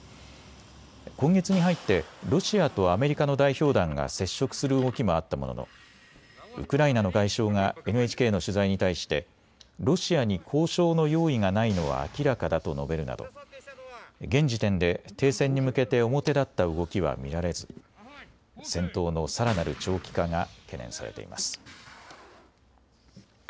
今月に入ってロシアとアメリカの代表団が接触する動きもあったもののウクライナの外相がＮＨＫの取材に対してロシアに交渉の用意がないのは明らかだと述べるなど現時点で停戦に向けて表立った動きは見られず戦闘のさらなる長期化が懸念されています。